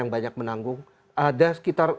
yang banyak menanggung ada sekitar